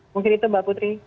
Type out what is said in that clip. mungkin itu mbak putri